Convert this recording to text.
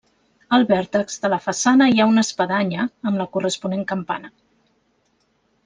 Al vèrtex de la façana hi ha una espadanya amb la corresponent campana.